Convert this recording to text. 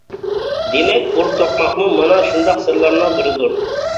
دېمەك، ئۇر توقماقمۇ مانا شۇنداق سىرلارنىڭ بىرىدۇر.